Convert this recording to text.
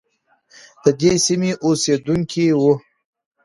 ددې سیمې اوسیدونکی وو.